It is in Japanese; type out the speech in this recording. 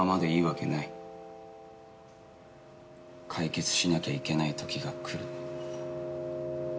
解決しなきゃいけない時が来る。